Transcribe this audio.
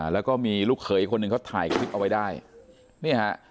แล้วก็มีลูกเขยคนหนึ่งเขาถ่ายคลิปเอาไว้ได้นี่ฮะ